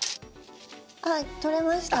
あっ取れました。